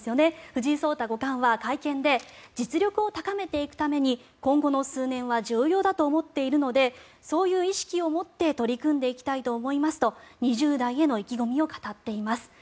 藤井聡太五冠は会見で実力を高めていくために今後の数年は重要だと思っているのでそういう意識を持って取り組んでいきたいと思いますと２０代への意気込みを語っています。